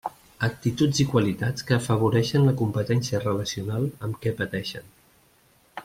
Actituds i qualitats que afavoreixen la competència relacional amb què pateixen.